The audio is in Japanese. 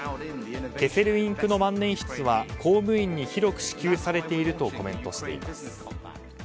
消せるインクの万年筆は公務員に広く支給されているとコメントしています。